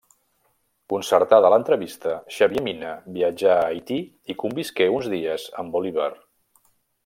Concertada l'entrevista, Xavier Mina viatjà a Haití i convisqué uns dies amb Bolívar.